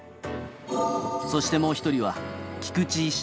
そしてもう１人は、菊池医師。